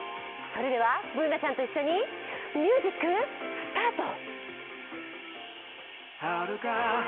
それでは、Ｂｏｏｎａちゃんと一緒に、ミュージックスタート！